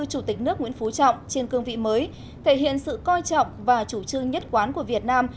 chủ tịch nước nguyễn phú trọng trên cương vị mới thể hiện sự coi trọng và chủ trương nhất quán của việt nam